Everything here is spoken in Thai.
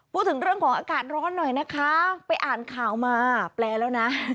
พูดถึงเรื่องของอากาศร้อนหน่อยนะคะไปอ่านข่าวมาแปลแล้วนะ